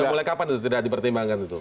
sudah mulai kapan itu tidak dipertimbangkan